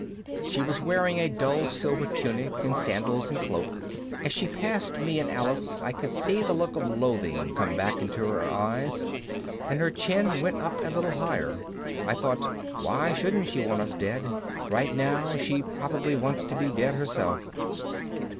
She was wearing a dull silver tunic and sandals and cloak. As she passed me and Alice I could see the look of loathing come back into her eyes, and her chin went a little higher. I thought, why shouldn't she want us dead? Right now she probably wants to be dead herself.